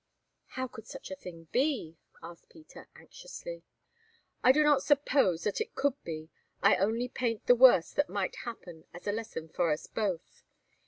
"How could such a thing be?" asked Peter anxiously. "I do not suppose that it could be; I only paint the worst that might happen as a lesson for us both.